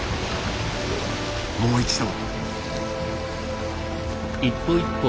もう一度。